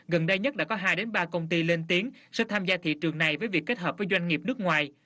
gần đây nhất đã có hai ba công ty lên tiếng sẽ tham gia thị trường này với việc kết hợp với doanh nghiệp nước ngoài